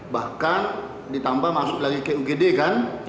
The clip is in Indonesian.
bahkan ditambah masuk lagi ke ugd kan